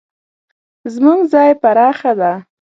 زموږ ځای پراخه ده